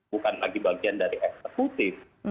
bukan lagi bagian dari eksekutif